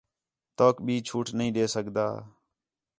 تؤک ٻئی چھوٹ نہیں ݙے سڳدا